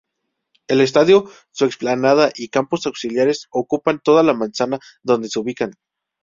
El estadio, su explanada y campos auxiliares ocupan toda la manzana donde se ubican.